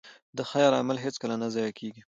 د خیر عمل هېڅکله نه ضایع کېږي.